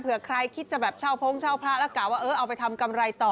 ใครคิดจะแบบเช่าโพงเช่าพระแล้วกะว่าเออเอาไปทำกำไรต่อ